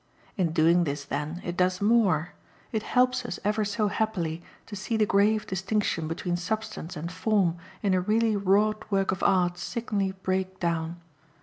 In doing this then it does more it helps us ever so happily to see the grave distinction between substance and form in a really wrought work of art signally break down.